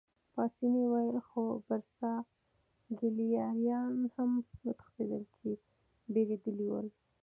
پاسیني وویل: خو برساګلیریایان هم وتښتېدل، چې بېرېدلي ول.